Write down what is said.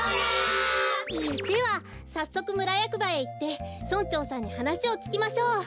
ではさっそくむらやくばへいって村長さんにはなしをききましょう。